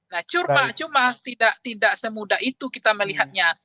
nah cuma cuma tidak semudah itu kita melihatnya